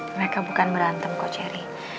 mereka bukan berantem kok cherry